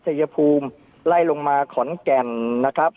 ชายภูมิไล่ลงมาขอนแก่นนะครับ